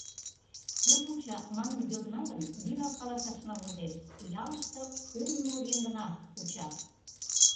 «Кӧ куча?» манын йодына гын, вигак каласашна возеш: ялыште кум-ныл еҥ гына куча.